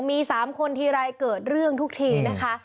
มี๓คนทีไรเกิดเรื่องทุกทีนะคะ